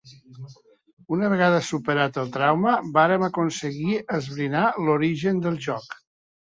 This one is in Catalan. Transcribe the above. Una vegada superat el trauma, vàrem aconseguir esbrinar l'origen del joc.